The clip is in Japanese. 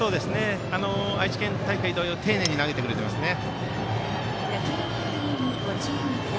愛知県大会同様丁寧に投げてくれていますね。